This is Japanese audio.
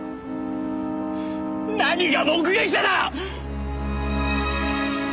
何が目撃者だ！